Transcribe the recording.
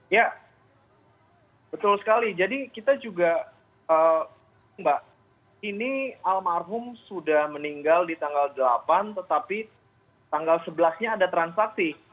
ya betul sekali jadi kita juga mbak ini almarhum sudah meninggal di tanggal delapan tetapi tanggal sebelas nya ada transaksi